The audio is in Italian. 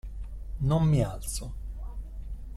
Non mi alzo!